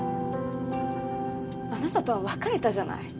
あなたとは別れたじゃない。